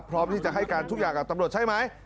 พร้อมที่จะให้การทุกอย่างกับตำรวจใช่ไหม